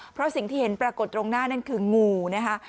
เพราะสิ่งที่เห็นปรากฏตรงหน้านั่นคืองูนะคะ